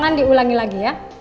tidak bisa yang dengan apa